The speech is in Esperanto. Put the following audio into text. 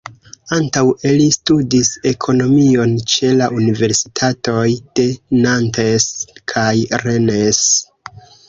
Antaŭe li studis ekonomion ĉe la universitatoj de Nantes kaj Rennes.